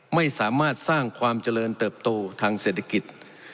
ไม่สามารถสร้างความเจริญเติบโตทางเศรษฐกิจ